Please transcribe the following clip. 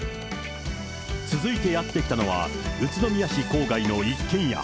続いてやって来たのは宇都宮市郊外の一軒家。